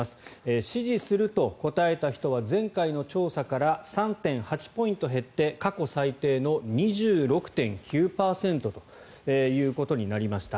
支持すると答えた人は前回の調査から３．８ポイント減って過去最低の２６．９％ということになりました。